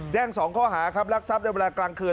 แจ้ง๒ข้อหาครับรักทรัพย์ในเวลากลางคืน